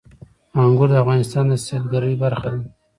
انګور د افغانستان د سیلګرۍ برخه ده.